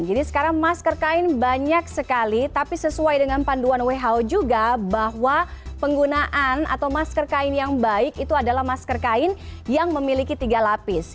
jadi sekarang masker kain banyak sekali tapi sesuai dengan panduan who juga bahwa penggunaan atau masker kain yang baik itu adalah masker kain yang memiliki tiga lapis